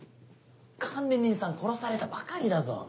管理人さん殺されたばかりだぞ。